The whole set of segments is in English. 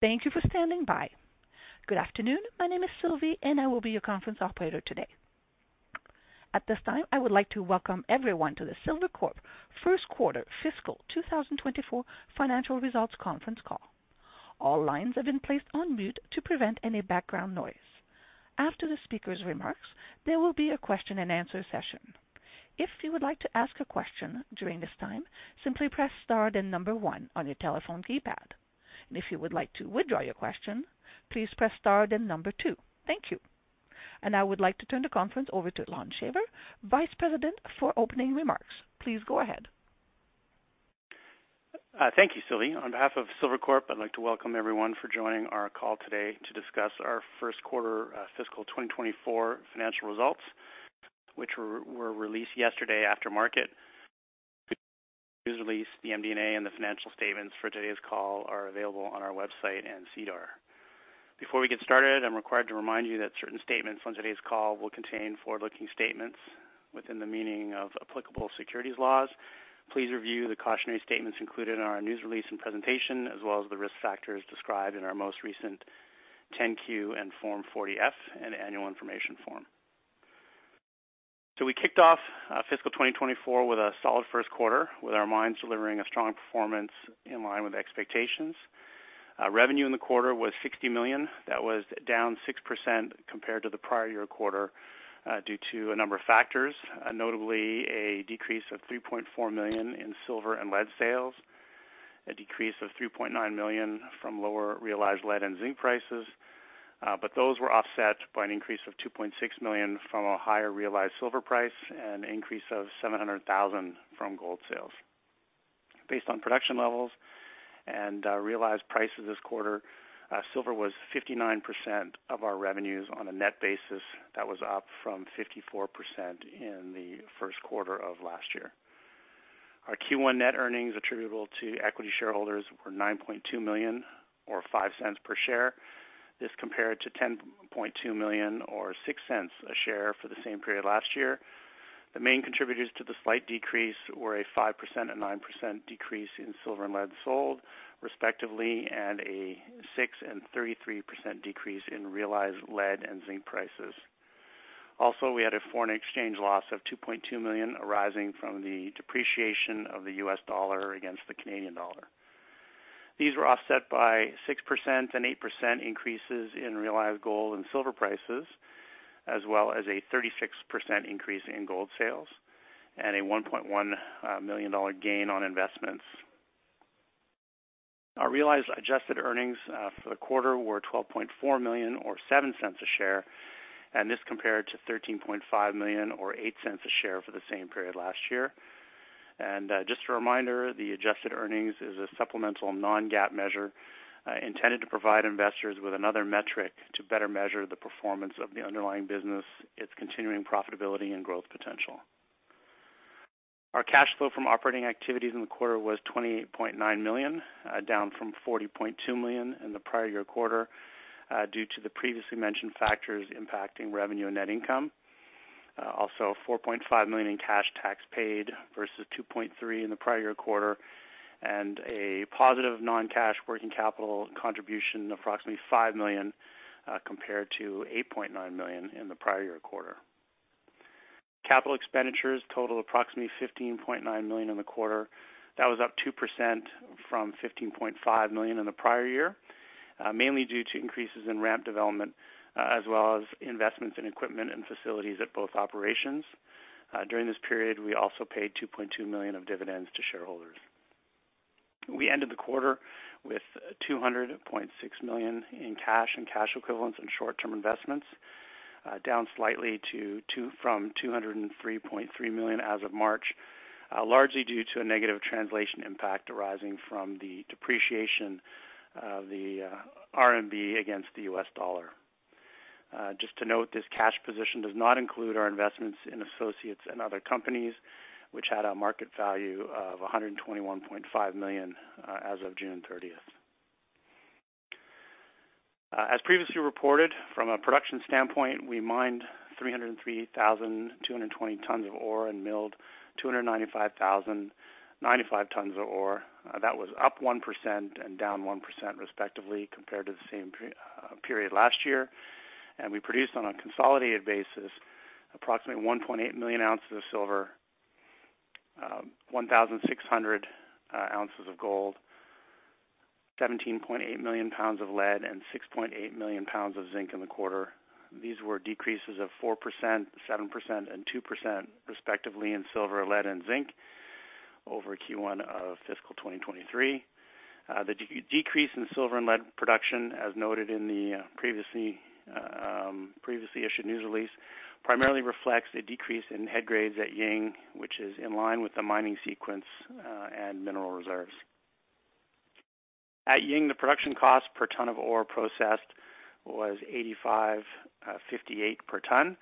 Thank you for standing by. Good afternoon. My name is Sylvie, and I will be your conference operator today. At this time, I would like to welcome everyone to the Silvercorp Metals first quarter fiscal 2024 financial results conference call. All lines have been placed on mute to prevent any background noise. After the speaker's remarks, there will be a question-and-answer session. If you would like to ask a question during this time, simply press star, then one on your telephone keypad. If you would like to withdraw your question, please press star then two. Thank you. I would like to turn the conference over to Lon Shaver, Vice President, for opening remarks. Please go ahead. Thank you, Sylvie. On behalf of Silvercorp Metals, I'd like to welcome everyone for joining our call today to discuss our first quarter, fiscal 2024 financial results, which were released yesterday after market. The news release, the M&A, and the financial statements for today's call are available on our website and SEDAR. Before we get started, I'm required to remind you that certain statements on today's call will contain forward-looking statements within the meaning of applicable securities laws. Please review the cautionary statements included in our news release and presentation, as well as the risk factors described in our most recent 10-Q and Form 40-F and Annual Information Form. We kicked off fiscal 2024 with a solid first quarter, with our mines delivering a strong performance in line with expectations. Revenue in the quarter was $60 million. That was down 6% compared to the prior year quarter, due to a number of factors, notably a decrease of $3.4 million in silver and lead sales, a decrease of $3.9 million from lower realized lead and zinc prices. Those were offset by an increase of $2.6 million from a higher realized silver price and an increase of $700,000 from gold sales. Based on production levels and realized prices this quarter, silver was 59% of our revenues on a net basis. That was up from 54% in the first quarter of last year. Our Q1 net earnings attributable to equity shareholders were $9.2 million or $0.05 per share. This compared to $10.2 million or $0.06 a share for the same period last year. The main contributors to the slight decrease were a 5% and 9% decrease in silver and lead sold, respectively, and a 6% and 33% decrease in realized lead and zinc prices. Also, we had a foreign exchange loss of $2.2 million, arising from the depreciation of the U.S. dollar against the Canadian dollar. These were offset by 6% and 8% increases in realized gold and silver prices, as well as a 36% increase in gold sales and a $1.1 million gain on investments. Our realized adjusted earnings for the quarter were $12.4 million or $0.07 a share, this compared to $13.5 million or $0.08 a share for the same period last year. Just a reminder, the adjusted earnings is a supplemental non-GAAP measure, intended to provide investors with another metric to better measure the performance of the underlying business, its continuing profitability and growth potential. Our cash flow from operating activities in the quarter was $28.9 million, down from $40.2 million in the prior year quarter, due to the previously mentioned factors impacting revenue and net income. Also, $4.5 million in cash tax paid versus $2.3 million in the prior year quarter, and a positive non-cash working capital contribution of approximately $5 million, compared to $8.9 million in the prior year quarter. Capital expenditures totaled approximately $15.9 million in the quarter. That was up 2% from $15.5 million in the prior year, mainly due to increases in ramp development, as well as investments in equipment and facilities at both operations. During this period, we also paid $2.2 million of dividends to shareholders. We ended the quarter with $200.6 million in cash and cash equivalents and short-term investments, down slightly to two from $203.3 million as of March, largely due to a negative translation impact arising from the depreciation of the RMB against the U.S. dollar. Just to note, this cash position does not include our investments in associates and other companies, which had a market value of $121.5 million as of June 30th. As previously reported, from a production standpoint, we mined 303,220 tons of ore and milled 295,095 tons of ore. That was up 1% and down 1%, respectively, compared to the same period last year. We produced, on a consolidated basis, approximately 1.8 million ounces of silver, 1,600 ounces of gold, 17.8 million pounds of lead, and 6.8 million pounds of zinc in the quarter. These were decreases of 4%, 7%, and 2%, respectively, in silver, lead, and zinc over Q1 of fiscal 2023. The decrease in silver and lead production, as noted in the previously issued news release, primarily reflects a decrease in head grades at Ying, which is in line with the mining sequence and mineral reserves. At Ying, the production cost per ton of ore processed was $85.58 per ton.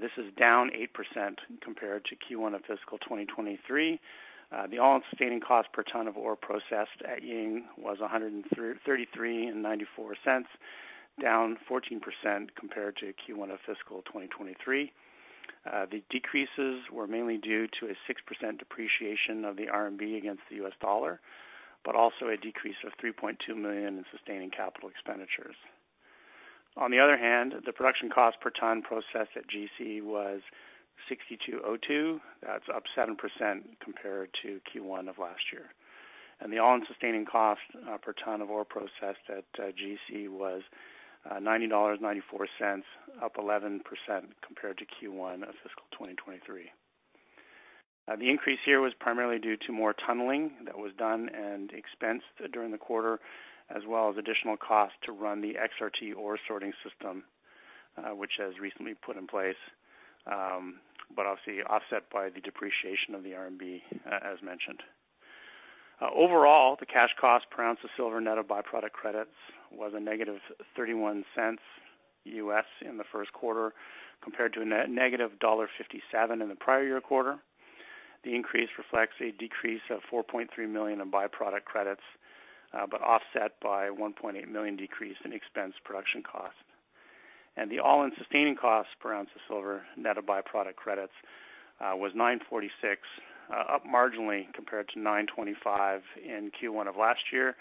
This is down 8% compared to Q1 of fiscal 2023. The all-sustaining cost per ton of ore processed at Ying was $133.94, down 14% compared to Q1 of fiscal 2023. The decreases were mainly due to a 6% depreciation of the RMB against the U.S. dollar, also a decrease of $3.2 million in sustaining capital expenditures. On the other hand, the production cost per ton processed at GC was $62.02. That's up 7% compared to Q1 of last year. The all-in sustaining cost per ton of ore processed at GC was $90.94, up 11% compared to Q1 of fiscal 2023. The increase here was primarily due to more tunneling that was done and expensed during the quarter, as well as additional costs to run the XRT ore sorting system, which has recently put in place, but obviously offset by the depreciation of the RMB, as mentioned. Overall, the cash cost per ounce of silver net of by-product credits was a negative $0.31 U.S. in the first quarter, compared to a negative $1.57 in the prior year quarter. The increase reflects a decrease of $4.3 million in by-product credits, but offset by $1.8 million decrease in expense production cost. The all-in sustaining cost per ounce of silver net of by-product credits was $9.46 up marginally compared to $9.25 in Q1 of last year.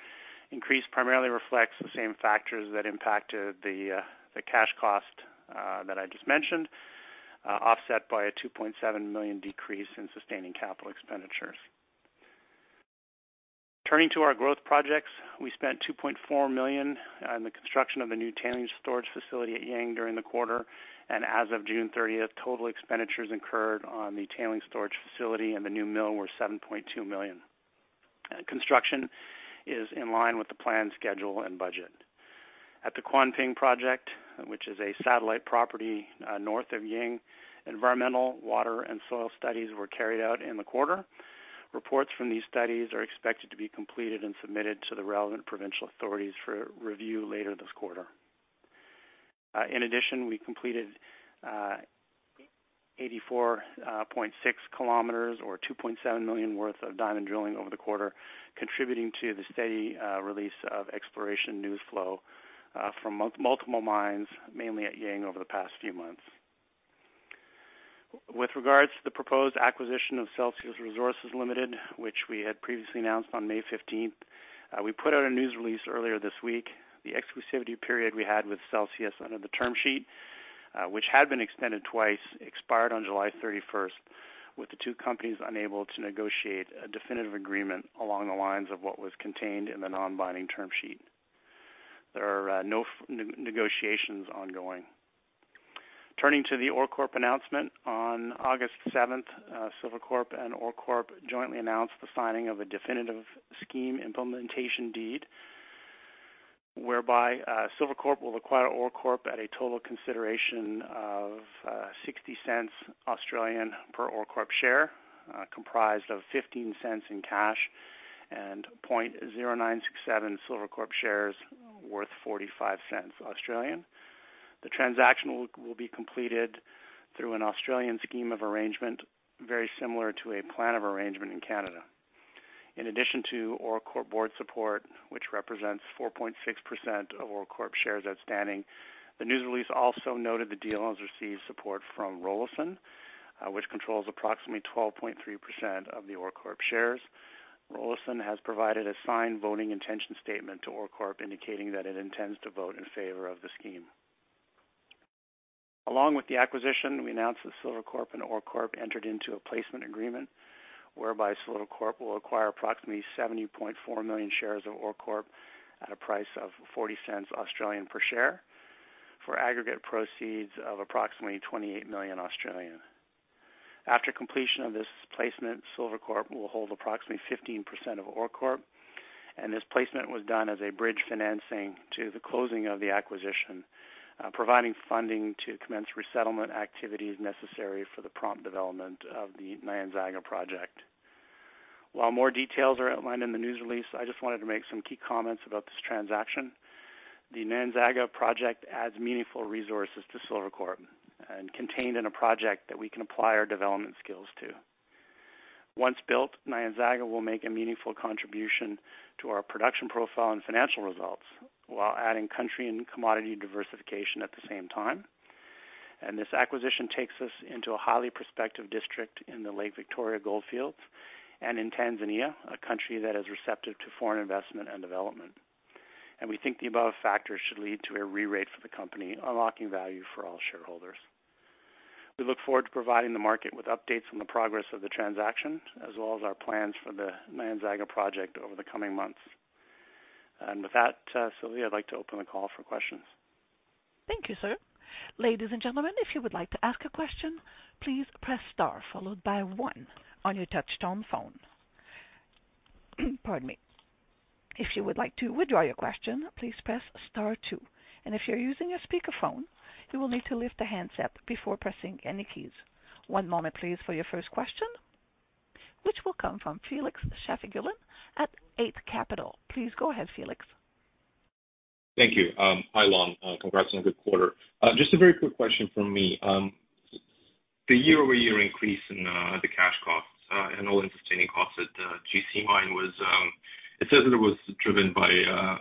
Increase primarily reflects the same factors that impacted the cash cost that I just mentioned, offset by a $2.7 million decrease in sustaining capital expenditures. Turning to our growth projects, we spent $2.4 million on the construction of the new tailings storage facility at Ying during the quarter, and as of June 30th, total expenditures incurred on the tailings storage facility and the new mill were $7.2 million. Construction is in line with the planned schedule and budget. At the Kuanping project, which is a satellite property north of Ying, environmental, water, and soil studies were carried out in the quarter. Reports from these studies are expected to be completed and submitted to the relevant provincial authorities for review later this quarter. In addition, we completed 84.6 km, or $2.7 million worth of diamond drilling over the quarter, contributing to the steady release of exploration news flow from multiple mines, mainly at Ying over the past few months. With regards to the proposed acquisition of Celsius Resources Limited, which we had previously announced on May 15th, we put out a news release earlier this week. The exclusivity period we had with Celsius under the term sheet, which had been extended twice, expired on July 31st, with the two companies unable to negotiate a definitive agreement along the lines of what was contained in the non-binding term sheet. There are no negotiations ongoing. Turning to the OreCorp announcement, on August 7, Silvercorp Metals and OreCorp jointly announced the signing of a definitive scheme implementation deed, whereby Silvercorp Metals will acquire OreCorp at a total consideration of 0.60 per OreCorp share, comprised of 0.15 in cash and 0.0967 Silvercorp Metals shares worth 0.45. The transaction will be completed through an Australian scheme of arrangement, very similar to a plan of arrangement in Canada. In addition to OreCorp board support, which represents 4.6% of OreCorp shares outstanding, the news release also noted the deal has received support from Rollason, which controls approximately 12.3% of the OreCorp shares. Rollason has provided a signed voting intention statement to OreCorp, indicating that it intends to vote in favor of the scheme. Along with the acquisition, we announced that Silvercorp Metals and OreCorp entered into a placement agreement, whereby Silvercorp Metals will acquire approximately 70.4 million shares of OreCorp at a price of 0.40 per share for aggregate proceeds of approximately 28 million Australian dollars. After completion of this placement, Silvercorp Metals will hold approximately 15% of OreCorp. This placement was done as a bridge financing to the closing of the acquisition, providing funding to commence resettlement activities necessary for the prompt development of the Nyanzaga project. While more details are outlined in the news release, I just wanted to make some key comments about this transaction. The Nyanzaga project adds meaningful resources to Silvercorp Metals and contained in a project that we can apply our development skills to. Once built, Nyanzaga will make a meaningful contribution to our production profile and financial results, while adding country and commodity diversification at the same time. This acquisition takes us into a highly prospective district in the Lake Victoria Goldfields and in Tanzania, a country that is receptive to foreign investment and development. We think the above factors should lead to a re-rate for the company, unlocking value for all shareholders. We look forward to providing the market with updates on the progress of the transaction, as well as our plans for the Nyanzaga project over the coming months. With that, Sylvia, I'd like to open the call for questions. Thank you, sir. Ladies and gentlemen, if you would like to ask a question, please press star followed by one on your touchtone phone. Pardon me. If you would like to withdraw your question, please press star two. If you're using a speakerphone, you will need to lift the handset before pressing any keys. One moment, please, for your first question, which will come from Felix Shafigullin at Eight Capital. Please go ahead, Felix. Thank you. Hi, Lon. Congrats on a good quarter. Just a very quick question from me. The year-over-year increase in, the cost-... and all-in sustaining costs at GC mine was, it says that it was driven by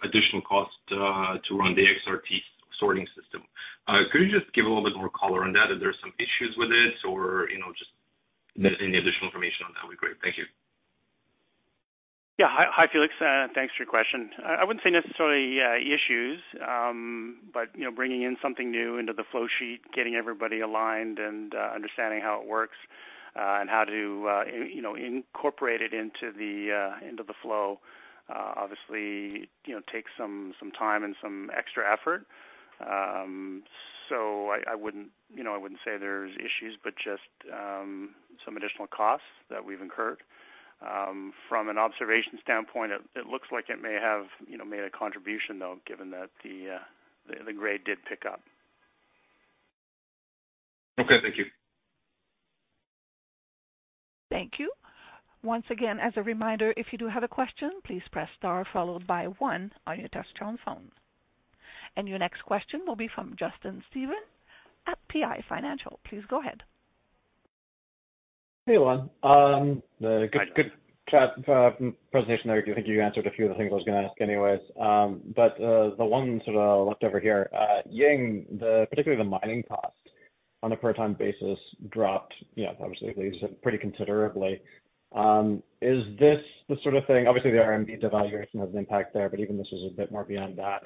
additional costs to run the XRT sorting system. Could you just give a little bit more color on that? If there are some issues with it or, you know, just any additional information on that would be great. Thank you. Yeah. Hi, hi, Felix, thanks for your question. I, I wouldn't say necessarily issues, but, you know, bringing in something new into the flow sheet, getting everybody aligned and understanding how it works and how to, you know, incorporate it into the, into the flow, obviously, you know, takes some, some time and some extra effort. I, I wouldn't, you know, I wouldn't say there's issues, but just some additional costs that we've incurred. From an observation standpoint, it, it looks like it may have, you know, made a contribution, though, given that the, the, the grade did pick up. Okay, thank you. Thank you. Once again, as a reminder, if you do have a question, please press star followed by one on your touchtone phone. Your next question will be from Justin Stevens at PI Financial. Please go ahead. Hey, everyone. The good, good chat, presentation there. I do think you answered a few of the things I was gonna ask anyways. The one sort of left over here, Ying, the, particularly the mining cost on a per ton basis dropped, you know, obviously pretty considerably. Is this the sort of thing... Obviously, the RMB devaluation has an impact there, but even this is a bit more beyond that.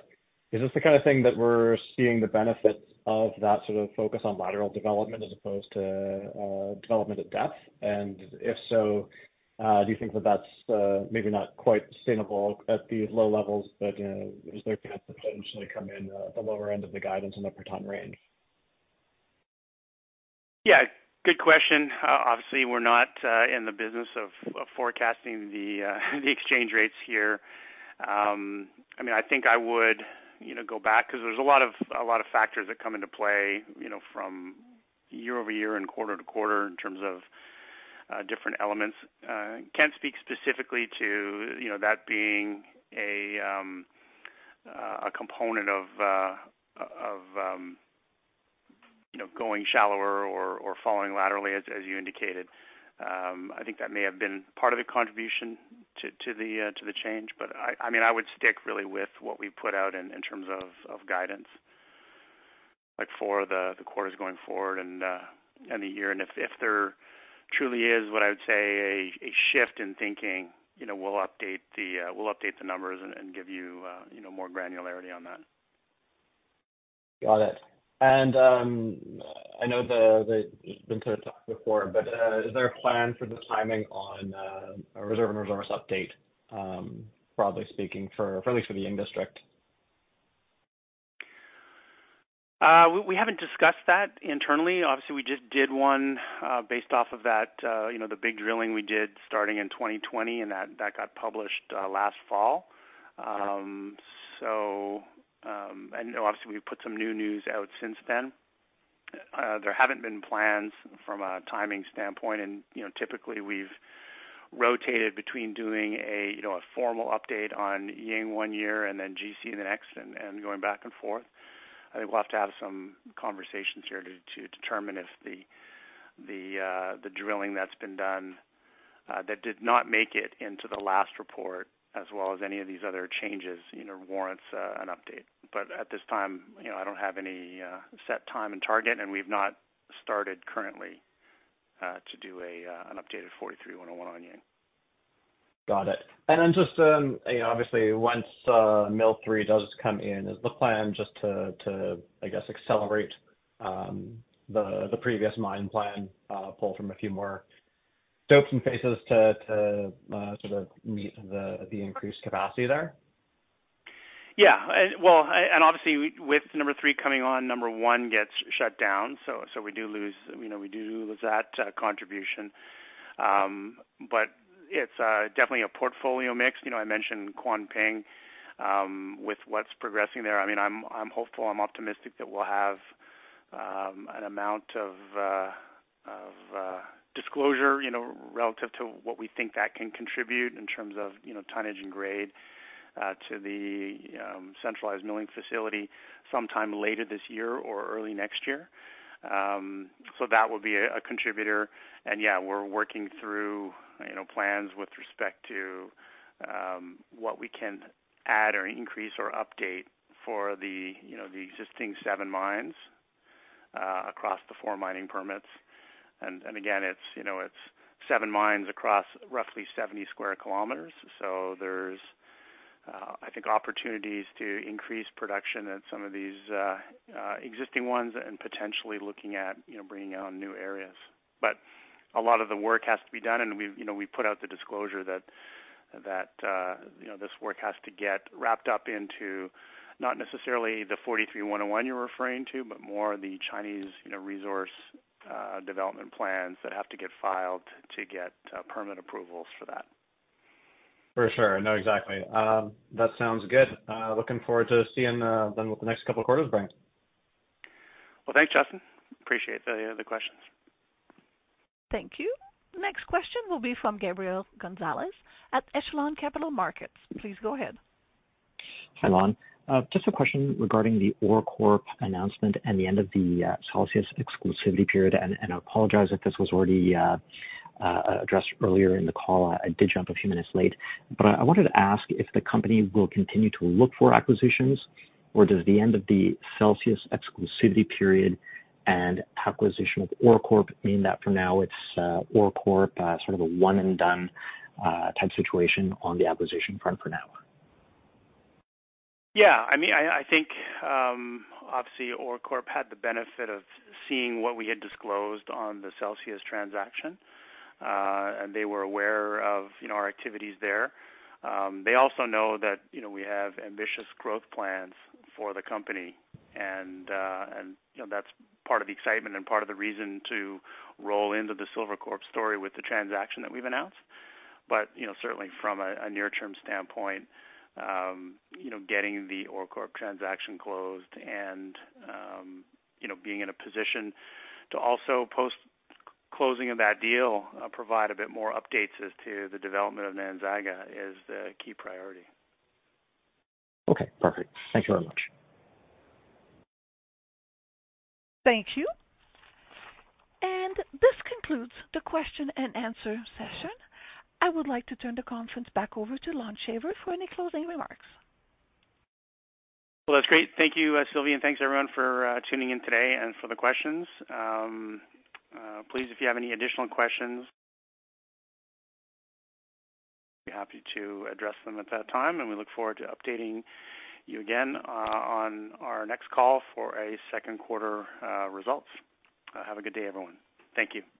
Is this the kind of thing that we're seeing the benefits of that sort of focus on lateral development as opposed to, development at depth? If so, do you think that that's maybe not quite sustainable at these low levels, but is there a chance to potentially come in the lower end of the guidance in the per ton range? Yeah, good question. Obviously, we're not in the business of, of forecasting the exchange rates here. I mean, I think I would, you know, go back because there's a lot of, a lot of factors that come into play, you know, from year-over-year and quarter-to-quarter in terms of different elements. Can't speak specifically to, you know, that being a component of, of, you know, going shallower or, or following laterally, as, as you indicated. I think that may have been part of the contribution to, to the change, but I, I mean, I would stick really with what we put out in, in terms of, of guidance, like, for the, the quarters going forward and the year. If, if there truly is, what I would say, a, a shift in thinking, you know, we'll update the, we'll update the numbers and, and give you, you know, more granularity on that. Got it. I know the, the, it's been sort of talked before, but is there a plan for the timing on a reserve and resource update, broadly speaking, for at least for the Ying District? We, we haven't discussed that internally. Obviously, we just did one, based off of that, you know, the big drilling we did starting in 2020, and that, that got published last fall. Obviously, we've put some new news out since then. There haven't been plans from a timing standpoint and, you know, typically we've rotated between doing a, you know, a formal update on Ying one year and then GC the next and, and going back and forth. I think we'll have to have some conversations here to, to determine if the, the drilling that's been done, that did not make it into the last report, as well as any of these other changes, you know, warrants an update. At this time, you know, I don't have any set time and target, and we've not started currently to do a an updated NI 43-101 on Ying. Got it. Then just, you know, obviously, once, mill three does come in, is the plan just to, to, I guess, accelerate, the, the previous mine plan, pull from a few more stopes and faces to, to, sort of meet the, the increased capacity there? Yeah. Well, and, and obviously, with number three coming on, number one gets shut down. We do lose, you know, we do lose that contribution. But it's definitely a portfolio mix. You know, I mentioned Kuanping with what's progressing there. I mean, I'm, I'm hopeful, I'm optimistic that we'll have an amount of of disclosure, you know, relative to what we think that can contribute in terms of, you know, tonnage and grade to the centralized milling facility sometime later this year or early next year. That will be a contributor. Yeah, we're working through, you know, plans with respect to what we can add or increase or update for the, you know, the existing seven mines across the four mining permits. Again, it's, you know, it's seven mines across roughly 70 square kilometers. There's, I think, opportunities to increase production at some of these existing ones and potentially looking at, you know, bringing on new areas. A lot of the work has to be done, and we've, you know, we put out the disclosure that, that, you know, this work has to get wrapped up into not necessarily the NI 43-101 you're referring to, but more the Chinese, you know, resource development plans that have to get filed to get permit approvals for that. For sure. No, exactly. That sounds good. Looking forward to seeing, then what the next couple of quarters bring. Well, thanks, Justin. Appreciate the, the questions. Thank you. The next question will be from Gabriel Gonzalez at Echelon Capital Markets. Please go ahead. Hi, Lon. Just a question regarding the OreCorp announcement and the end of the Celsius exclusivity period, and, and I apologize if this was already addressed earlier in the call. I did jump a few minutes late. I wanted to ask if the company will continue to look for acquisitions, or does the end of the Celsius exclusivity period and acquisition of OreCorp mean that for now it's OreCorp, sort of a one and done type situation on the acquisition front for now? Yeah, I mean, I, I think, obviously OreCorp had the benefit of seeing what we had disclosed on the Celsius transaction. They were aware of, you know, our activities there. They also know that, you know, we have ambitious growth plans for the company, and, and, you know, that's part of the excitement and part of the reason to roll into the Silvercorp story with the transaction that we've announced. You know, certainly from a, a near-term standpoint, you know, getting the OreCorp transaction closed and, you know, being in a position to also post closing of that deal, provide a bit more updates as to the development of Nynzaga is the key priority. Okay, perfect. Thank you very much. Thank you. This concludes the question and answer session. I would like to turn the conference back over to Lon Shaver for any closing remarks. Well, that's great. Thank you, Sylvia, and thanks, everyone, for tuning in today and for the questions. Please, if you have any additional questions, be happy to address them at that time, and we look forward to updating you again on our next call for a second quarter results. Have a good day, everyone. Thank you.